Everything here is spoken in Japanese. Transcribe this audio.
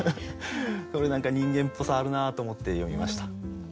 それ何か人間っぽさあるなと思って読みました。